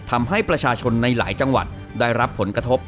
ทำให้ประชาชนในหลายจังหวัดได้รับผลกระทบ